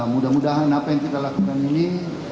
mudah mudahan apa yang kita lakukan ini